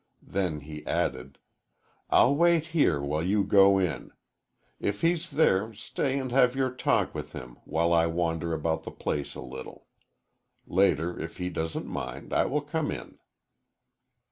Then he added, "I'll wait here while you go in. If he's there, stay and have your talk with him while I wander about the place a little. Later, if he doesn't mind, I will come in."